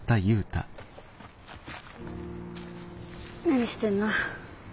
何してんの？